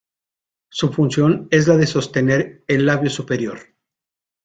Su función es la de sostener el labio superior.